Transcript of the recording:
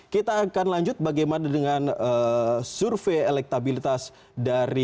kita akan lanjut bagaimana dengan survei elektabilitas dari